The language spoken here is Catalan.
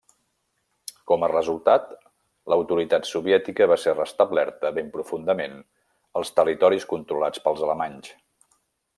Com a resultat, l'autoritat soviètica va ser restablerta ben profundament als territoris controlats pels alemanys.